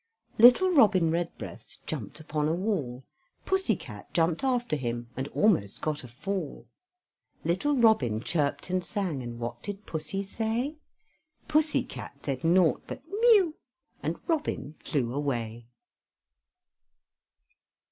Little Robin Redbreast jumped upon a wall, Pussy cat jumped after him, and almost got a fall; Little Robin chirped and sang, and what did pussy say? Pussy cat said naught but "Mew," and Robin flew away.